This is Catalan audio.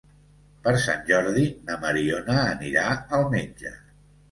Per Sant Jordi na Mariona anirà al metge.